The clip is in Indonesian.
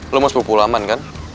lo mau sepupu lama kan